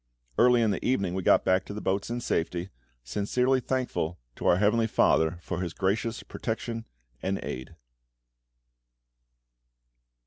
Early in the evening we got back to the boats in safety, sincerely thankful to our Heavenly FATHER for His gracious protection and aid.